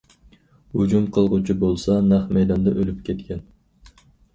ھۇجۇم قىلغۇچى بولسا نەق مەيداندا ئۆلۈپ كەتكەن.